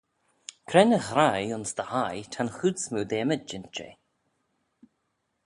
Cre'n ghreie ayns dty hie ta'n chooid smoo dy ymmyd jeant jeh?